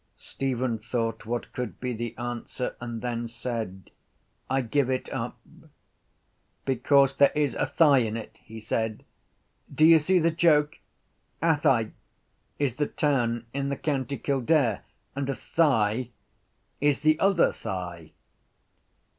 Stephen thought what could be the answer and then said: —I give it up. —Because there is a thigh in it, he said. Do you see the joke? Athy is the town in the county Kildare and a thigh is the other thigh.